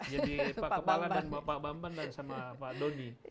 jadi pak kepala dan pak bambang dan sama pak doni